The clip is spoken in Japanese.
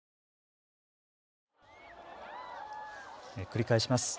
繰り返します。